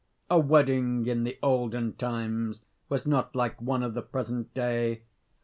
A wedding in the olden times was not like one of the present day.